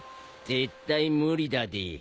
絶対無理だで